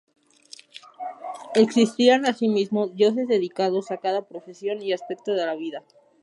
Existían así mismo, dioses dedicados a cada profesión y aspecto de la vida.